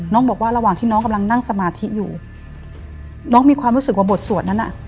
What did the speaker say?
บอกว่าระหว่างที่น้องกำลังนั่งสมาธิอยู่น้องมีความรู้สึกว่าบทสวดนั้นอ่ะ